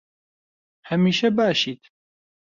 هەمیشە باشیت.